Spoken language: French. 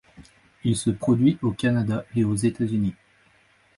Il se produit au Canada et aux États-Unis.